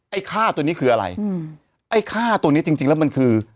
ไอ้ฆ่าตัวนี้คืออะไรอืมไอ้ฆ่าตัวนี้จริงจริงแล้วมันคือ